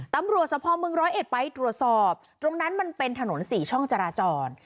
ตำรวจสะพอเมืองร้อยเอ็ดไปตรวจสอบตรงนั้นมันเป็นถนน๔ช่องจราจร